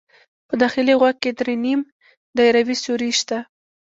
په داخلي غوږ کې درې نیم دایروي سوري شته.